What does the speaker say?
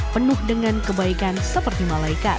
penuh dengan kebaikan seperti malaikat